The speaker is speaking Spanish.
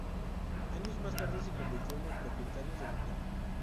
Años más tarde se convirtió en el propietario del lugar.